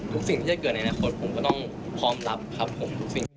ทุกสิ่งที่จะเกิดในนาคตผมก็ต้องพร้อมรับครับผม